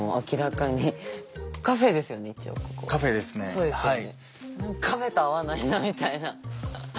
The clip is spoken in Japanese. そうですよね。